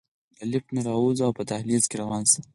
له لفټ نه راووځو او په دهلېز کې روان شو.